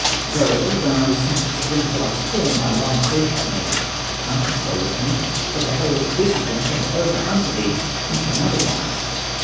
^ Verily, when I was sent to bring for us corn, thy wife said to me, ' Come, stay with me ;' for behold this has been turned over unto thee into another wise.''